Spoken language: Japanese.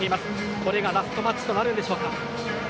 これがラストマッチとなるんでしょうか。